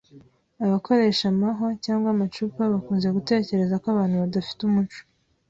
Abakoresha amahwa cyangwa amacupa bakunze gutekereza ko abantu badafite umuco.